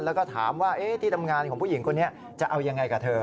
แล้วก็ถามว่าที่ทำงานของผู้หญิงคนนี้จะเอายังไงกับเธอ